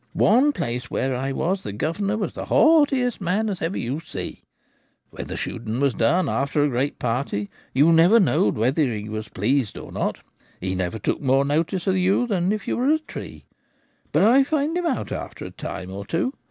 One place where I was, the governor were the haughtiest man as ever you see. When the shooting was done — after a great party, you never knowed whether he were pleased or not — he never took no more notice of you than if you were a tree. But I found him out arter a time or two.